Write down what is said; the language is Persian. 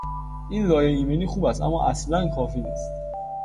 این لایه ایمنی خوب است اما اصلا کافی نیست.